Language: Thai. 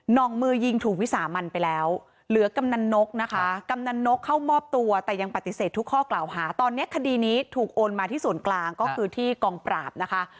องมือยิงถูกวิสามันไปแล้วเหลือกำนันนกนะคะกำนันนกเข้ามอบตัวแต่ยังปฏิเสธทุกข้อกล่าวหาตอนนี้คดีนี้ถูกโอนมาที่ส่วนกลางก็คือที่กองปราบนะคะ